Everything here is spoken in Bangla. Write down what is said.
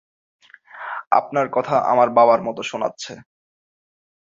আপনার কথা আমার বাবার মত শোনাচ্ছে।